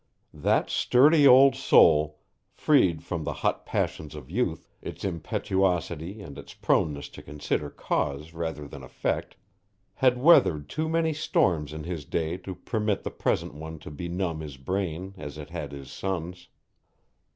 That sturdy old soul, freed from the hot passions of youth, its impetuosity and its proneness to consider cause rather than effect, had weathered too many storms in his day to permit the present one to benumb his brain as it had his son's.